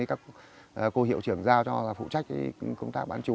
các cô hiệu trưởng giao cho phụ trách công tác bán chú